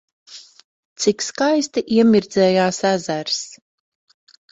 Cik skaisti iemirdzējās ezers!